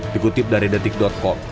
dikutip dari detik com